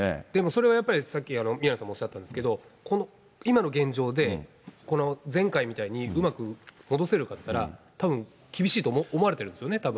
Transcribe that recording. でもそれはやっぱり、さっき宮根さんもおっしゃったんですけれども、今の現状で、この前回みたいにうまく戻せるかっていったら、たぶん厳しいと思われているんですよね。